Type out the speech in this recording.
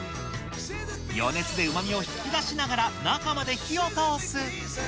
余熱でうまみを引き出しながら、中まで火を通す。